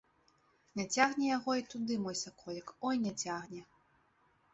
Не цягне яго і туды, мой саколік, ой, не цягне!